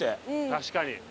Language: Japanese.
確かに。